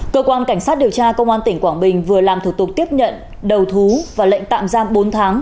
cơ quan cảnh sát điều tra công an tỉnh quảng bình vừa làm thủ tục tiếp nhận đầu thú và lệnh tạm giam bốn tháng